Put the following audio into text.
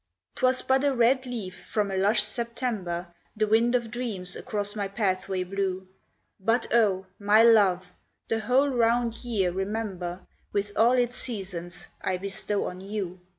'Twas but a red leaf from a lush September The wind of dreams across my pathway blew, But oh! my love! the whole round year remember, With all its seasons I bestow on you.